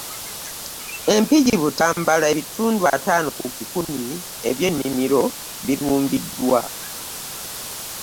E Mpigi/Butambala ebitundu ataano ku kikumi eby’ennimiro birumbiddwa.